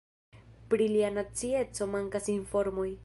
Pri lia nacieco mankas informoj.